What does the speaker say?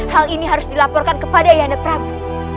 hal ini harus dilaporkan kepada ayah nebrabu